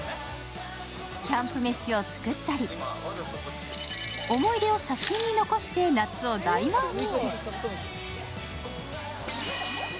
キャンプ飯を作ったり思い出を写真に残して夏を大満喫。